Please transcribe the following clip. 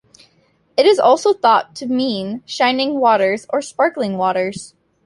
It is also thought to mean "Shining Waters" or "Sparkling Waters".